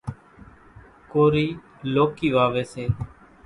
ڪورِي لوڪِي واويَ سي۔